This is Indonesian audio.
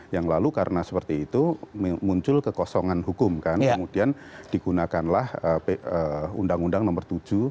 yang lalu karena seperti itu muncul kekosongan hukum kan kemudian digunakanlah undang undang nomor tujuh